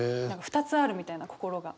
２つあるみたいな心が。